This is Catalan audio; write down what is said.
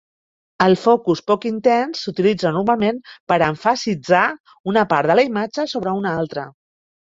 El focus poc intens s'utilitza normalment per emfasitzar una part de la imatge sobre una altra.